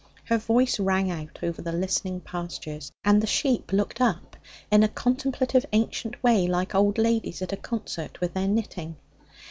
Her voice rang out over the listening pastures, and the sheep looked up in a contemplative, ancient way like old ladies at a concert with their knitting.